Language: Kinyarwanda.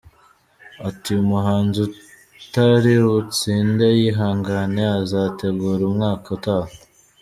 Ati :"Umuhanzi utaributsinde yihangane azategura umwaka utah.